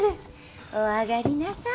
お上がりなさい。